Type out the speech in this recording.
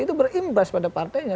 itu berimbas pada partainya